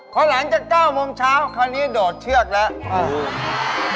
พอหลังจาก๙โมงเช้าคราวนี้โดดเชือกแล้ว